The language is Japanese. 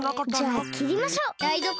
じゃあきりましょう。